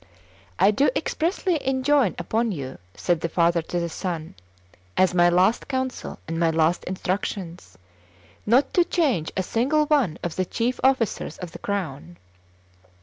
"I do expressly enjoin upon you," said the father to the son, "as my last counsel and my last instructions, not to change a single one of the chief officers of the crown.